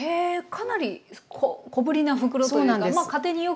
かなり小ぶりな袋というか家庭によくあるサイズの。